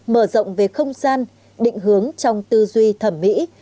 mở rộng về không gian định hướng trong tư duy thẩm mỹ